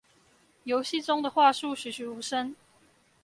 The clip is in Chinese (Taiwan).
遊戲中的樺樹栩詡如生